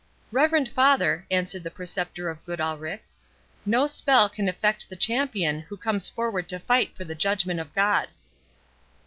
"Reverend father," answered the Preceptor of Goodalricke, "no spell can effect the champion who comes forward to fight for the judgment of God."